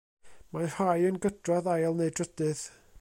Mae rhai yn gydradd ail neu drydydd.